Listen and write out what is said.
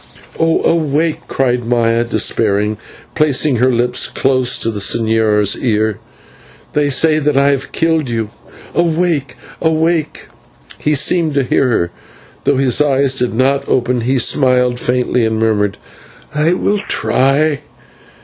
"Oh! awake," cried Maya despairingly, placing her lips close to the señor's ear. "They say that I have killed you, awake, awake!" He seemed to hear her, for, though his eyes did not open, he smiled faintly and murmured, "I will try."